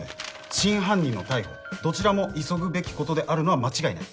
真犯人の逮捕どちらも急ぐべきことであるのは間違いない。